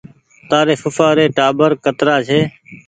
تآري ڦوڦآ ري ٽآٻر ڪترآ ڇي